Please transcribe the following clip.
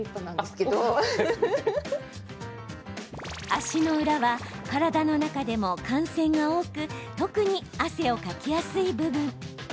足の裏は体の中でも汗腺が多く特に汗をかきやすい部分。